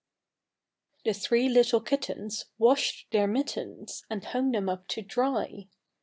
The three little kittens washed their mittens, And hung them up to dry.